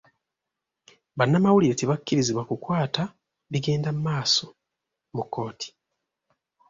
Banamawulire tebakkirizibwa kukwata bigenda maaso mu kooti.